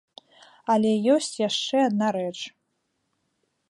Але ёсць яшчэ адна рэч.